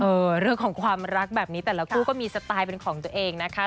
เรื่องของความรักแบบนี้แต่ละคู่ก็มีสไตล์เป็นของตัวเองนะคะ